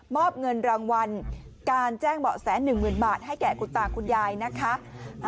อบเงินรางวัลการแจ้งเบาะแส๑๐๐๐บาทให้แก่คุณตาคุณยายนะคะ